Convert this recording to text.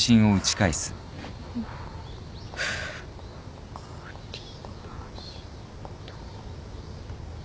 分かりました。